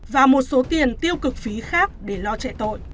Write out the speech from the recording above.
và một số tiền tiêu cực phí khác để lo chạy tội